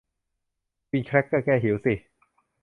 กินแคร็กเกอร์แก้หิวสิ